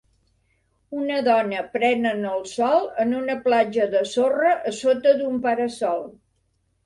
Un dona prenen el sol en una platja de sorra a sota d'un para-sol